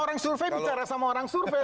orang survei bicara sama orang survei